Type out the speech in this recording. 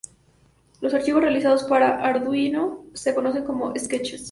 Los archivos realizados para Arduino se conocen como sketches.